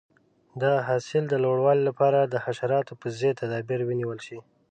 د حاصل د لوړوالي لپاره د حشراتو پر ضد تدابیر ونیول شي.